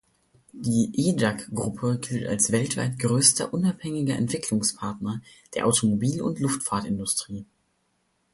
Die Edag-Gruppe gilt als weltweit größter unabhängiger Entwicklungspartner der Automobil- und Luftfahrtindustrie.